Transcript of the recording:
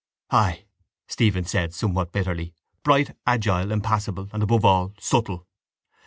—Ay, Stephen said somewhat bitterly, bright, agile, impassible and, above all, subtle.